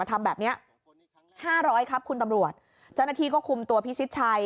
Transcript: ทำแบบเนี้ยห้าร้อยครับคุณตำรวจเจ้าหน้าที่ก็คุมตัวพิชิตชัย